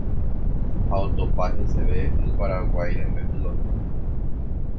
ha ohopa heseve y Paraguái rembe'y gotyo.